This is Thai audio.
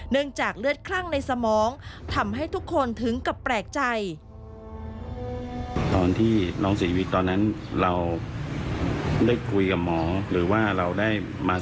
เนื่องจากเลือดคลั่งในสมองทำให้ทุกคนถึงกับแปลกใจ